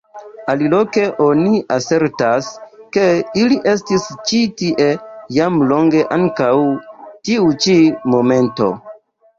Aliloke oni asertas, ke ili estis ĉi tie jam longe antaŭ tiu ĉi momento.